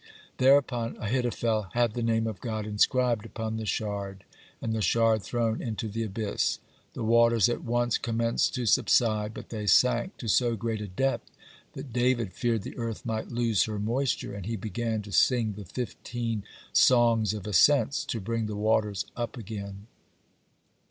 (69) Thereupon Ahithophel had the Name of God inscribed upon the shard, and the shard thrown into the abyss. The waters at once commenced to subside, but they sank to so great a depth that David feared the earth might lose her moisture, and he began to sing the fifteen "Songs of Ascents," to bring the waters up again.